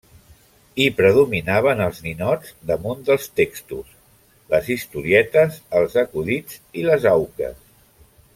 Hi predominaven els ninots damunt dels textos, les historietes, els acudits i les auques.